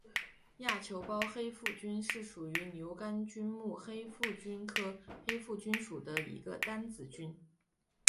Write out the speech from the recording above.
亚球孢黑腹菌是属于牛肝菌目黑腹菌科黑腹菌属的一种担子菌。